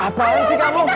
apaan sih kamu